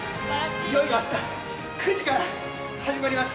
いよいよ明日９時から始まります。